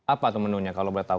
apa tuh menunya kalau boleh tahu